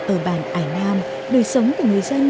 ở bàn ải nam đôi sống của người dân